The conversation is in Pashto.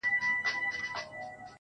په هغه ورځ به بس زما اختر وي,